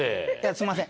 すみません。